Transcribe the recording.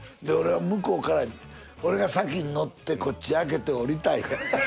で俺は向こうから俺が先に乗ってこっち開けて降りたんや。